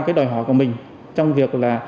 cái đòi hỏi của mình trong việc là